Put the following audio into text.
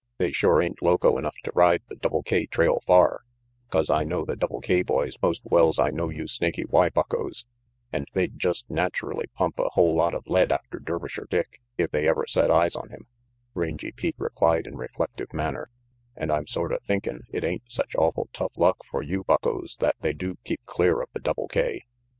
" They sure ain't loco enough to ride the Double K trail far, 'cause I know the Double K boys most well's I know you Snaky Y buckos, and they'd just naturally pump a whole lot of lead after Dervisher Dick if they ever set eyes on him," Rangy Pete replied in reflective manner; "and I'm sorta thinkin' it ain't such awful tough luck for you buckos that they do keep clear of the Double K.